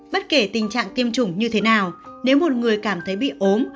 bất kể tình trạng tiêm chủng như thế nào nếu một người cảm thấy bị ốm